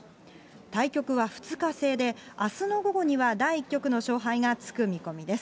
対局は２日制で、あすの午後には第１局の勝敗がつく見込みです。